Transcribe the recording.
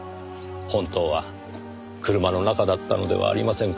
本当は車の中だったのではありませんか？